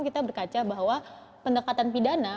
kita berkaca bahwa pendekatan pidana